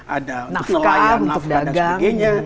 ada untuk nelayan untuk dagang dan sebagainya